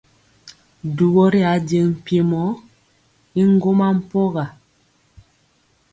Dubɔ ri ajeŋ mpiemɔ y ŋgɔma mpɔga.